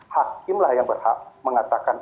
hakim lah yang berhak mengatakan